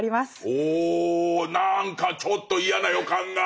おお何かちょっと嫌な予感が。